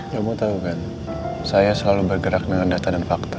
kamu tahu kan saya selalu bergerak dengan data dan fakta